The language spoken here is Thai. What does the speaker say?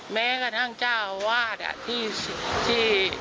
แม้กระทั่งเจ้าวาดที่